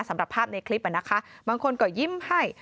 สำหรับภาพในคลิปนะคะบางคนก็ยิ้มให้